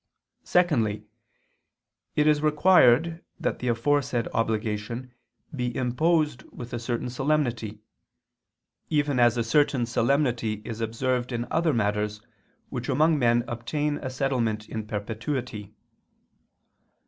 Secondly, it is required that the aforesaid obligation be imposed with a certain solemnity; even as a certain solemnity is observed in other matters which among men obtain a settlement in perpetuity.